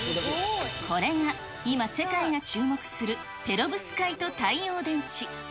これが今、世界が注目するペロブスカイト太陽電池。